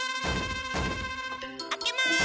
開けます！